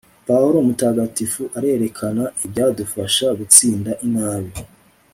pawulo mutagatifu arerekana ibyadufasha gutsinda inabi